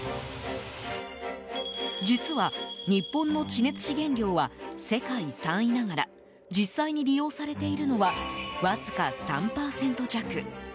実は、日本の地熱資源量は世界３位ながら実際に利用されているのはわずか３％弱。